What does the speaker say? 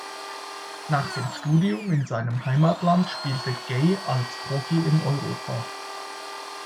Nach dem Studium in seinem Heimatland spielte Gay als Profi in Europa.